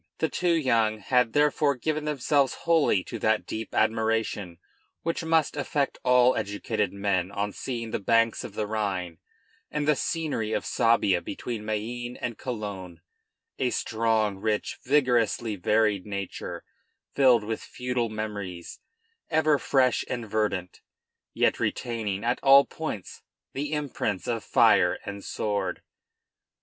The two young had therefore given themselves wholly to that deep admiration which must affect all educated men on seeing the banks of the Rhine and the scenery of Suabia between Mayenne and Cologne, a strong, rich, vigorously varied nature, filled with feudal memories, ever fresh and verdant, yet retaining at all points the imprints of fire and sword.